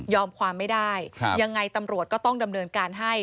ความไม่ได้ยังไงตำรวจก็ต้องดำเนินการให้